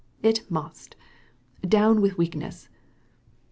I must! Away with weakness!"